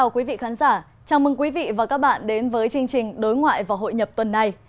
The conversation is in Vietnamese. chào mừng quý vị và các bạn đến với chương trình đối ngoại vào hội nhập tuần này